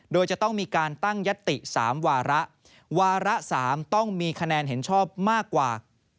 โดยจะต้องมีการตั้งยัตติ๓วาระวาระ๓ต้องมีคะแนนเห็นชอบมากกว่า